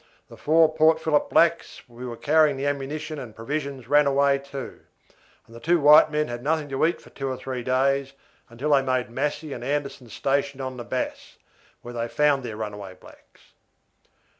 The four Port Phillip blacks who were carrying the ammunition and provisions ran away too; and the two white men had nothing to eat for two or three days until they made Massey and Anderson's station on the Bass, where they found their runaway blacks.